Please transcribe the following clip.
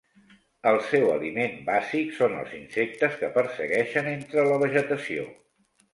El seu aliment bàsic són els insectes que persegueixen entre la vegetació.